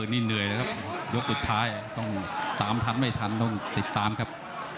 นี่เหนื่อยเลยครับยกสุดท้ายต้องตามทันไม่ทันต้องติดตามครับ